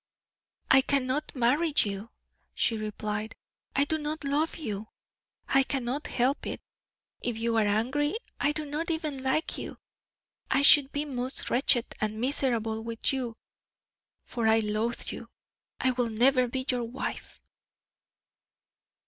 "I cannot marry you," she replied; "I do not love you. I cannot help it, if you are angry. I do not even like you. I should be most wretched and miserable with you, for I loathe you. I will never be your wife."